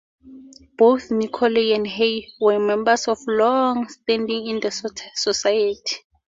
Both Nicolay and Hay were members of long standing in the society.